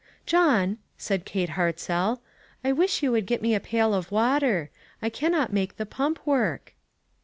" John," said Kate Hartzell, " I wish you would get me a pail of water ; I cannot make the pump work."